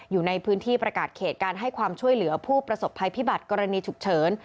อยู่ในพื้นที่ประกาศเขตการให้ความช่วยเหลือผู้ประสบภัยพิบัติกรณีฉุกเฉิน